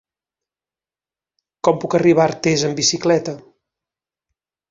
Com puc arribar a Artés amb bicicleta?